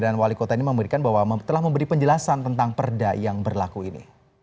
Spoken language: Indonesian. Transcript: dan wali kota ini telah memberi penjelasan tentang perda yang berlaku ini